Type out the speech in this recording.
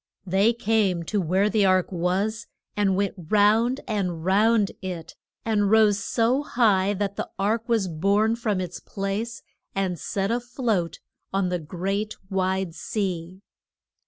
They came to where the ark was, and went round and round it, and rose so high that the ark was borne from its place and set a float on the great wide sea.